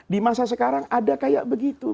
di masa sekarang ada seperti itu